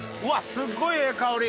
すっごいええ香り。